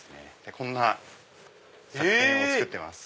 こんな作品を作ってます。